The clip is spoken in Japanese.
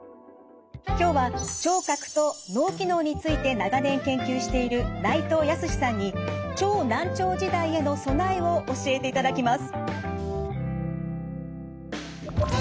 今日は聴覚と脳機能について長年研究している内藤泰さんに超難聴時代への備えを教えていただきます。